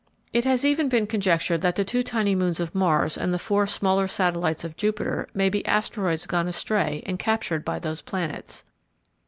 It has even been conjectured that the two tiny moons of Mars and the four smaller satellites of Jupiter may be asteroids gone astray and captured by those planets.